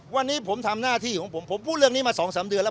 วันนี้ผมทำหน้าที่ของผมผมพูดเรื่องนี้มา๒๓เดือนแล้ว